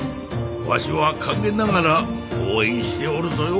わしは陰ながら応援しておるぞよ。